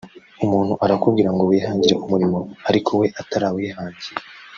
Umuntu arakubwira ngo wihangire umurimo ariko we atarawihangiye